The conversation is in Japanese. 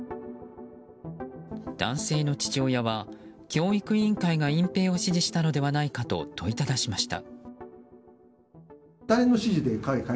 男性の父親は教育委員会が隠ぺいを指示したのではないかと問いただしました。